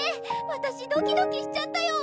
私ドキドキしちゃったよ。